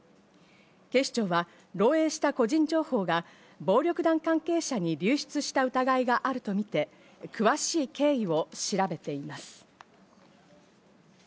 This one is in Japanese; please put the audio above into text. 警視庁は漏えいした個人情報が暴力団関係者に流出した疑いがあるとみて詳しい経緯を調べています。